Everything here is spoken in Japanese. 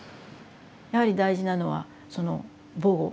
やはり大事なのはその母語。